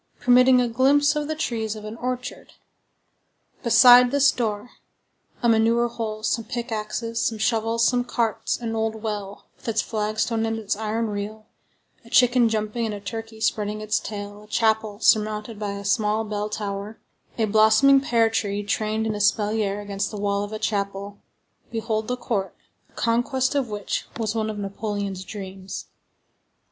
permitting a glimpse of the trees of an orchard; beside this door, a manure hole, some pickaxes, some shovels, some carts, an old well, with its flagstone and its iron reel, a chicken jumping, and a turkey spreading its tail, a chapel surmounted by a small bell tower, a blossoming pear tree trained in espalier against the wall of the chapel—behold the court, the conquest of which was one of Napoleon's dreams.